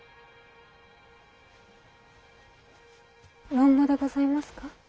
「論語」でございますか？